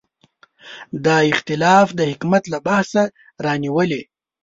دا اختلاف د حکمیت له بحثه رانیولې.